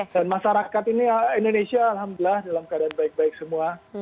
dan masyarakat ini indonesia alhamdulillah dalam keadaan baik baik semua